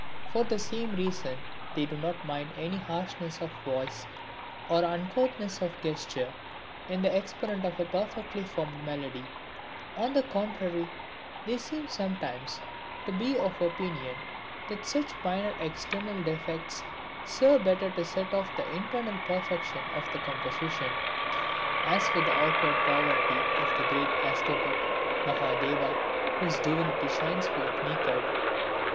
For the same reason they do not mind any harshness of voice or uncouthness of gesture in the exponent of a perfectly formed melody; on the contrary, they seem sometimes to be of opinion that such minor external defects serve better to set off the internal perfection of the composition, as with the outward poverty of the Great Ascetic, Mahadeva, whose divinity shines forth naked.